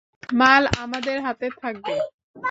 মাল আমাদের হাতে থাকবে।